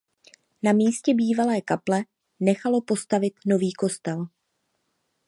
Na místě bývalé kaple nechalo postavit nový kostel.